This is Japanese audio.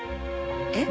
えっ？